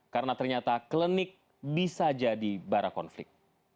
karena ternyata klinik bisa jadi bara konflik